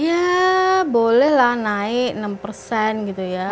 ya bolehlah naik enam persen gitu ya